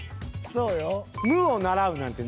そうよ。